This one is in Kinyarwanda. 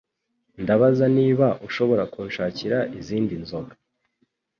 Ndabaza niba ushobora kunshakira izindi nzoga.